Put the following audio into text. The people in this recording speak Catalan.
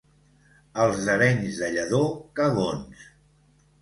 Els d'Arenys de Lledó, cagons.